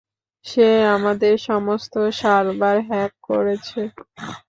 সে আমাদের সমস্ত server hack করেছে।